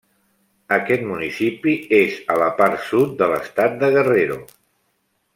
Aquest municipi és a la part sud de l'estat de Guerrero.